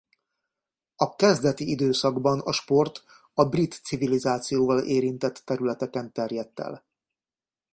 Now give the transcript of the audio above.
A kezdeti időszakban a sport a brit civilizációval érintett területeken terjedt el.